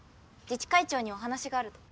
自治会長にお話があると。